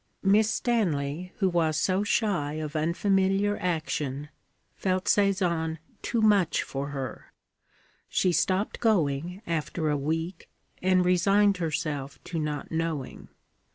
Miss Stanley, who was so shy of unfamiliar action, felt Sézanne too much for her. She stopped going, after a week, and resigned herself to not knowing.